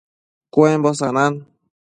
Cuembo sanan